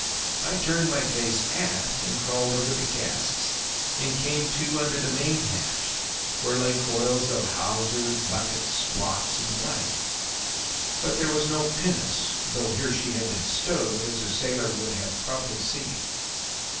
I turned my face aft, and crawled over the casks and came to under the main hatch, where lay coils of hawser, buckets, blocks, and the like, but there was no pinnace, though here she had been stowed, as a sailor would have promptly seen.